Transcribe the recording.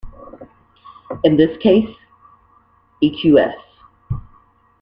In this case, Eqs.